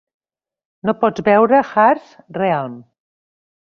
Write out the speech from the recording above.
No pots veure 'Harsh Realm'.